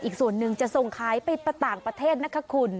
อีกส่วนหนึ่งจะส่งขายไปต่างประเทศนะคะคุณ